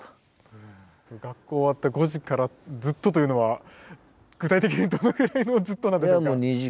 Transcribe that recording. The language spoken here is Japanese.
学校終わった５時からずっとというのは具体的にどのくらいのずっとなんでしょうか？